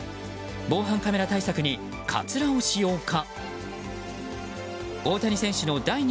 防犯カメラ対策にかつらを使用か。